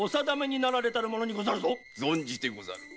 存じてござる。